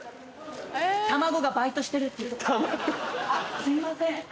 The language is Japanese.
あっすいません